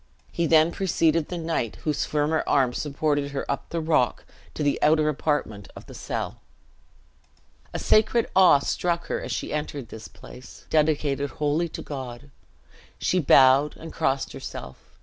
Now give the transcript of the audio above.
He then preceded the knight, whose firmer arm supported her up the rock, to the outer apartment of the cell. A sacred awe struck her as she entered this place, dedicated wholly to God. She bowed, and crossed herself.